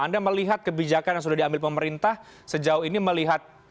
anda melihat kebijakan yang sudah diambil pemerintah sejauh ini melihat